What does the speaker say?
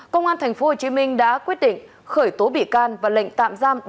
công an tp hcm đã quyết định khởi tố bị can và lệnh tạm giam